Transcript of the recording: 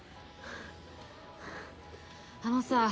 あのさぁ。